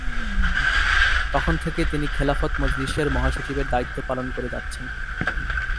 তখন থেকে তিনি খেলাফত মজলিসের মহাসচিবের দায়িত্ব পালন করে যাচ্ছেন।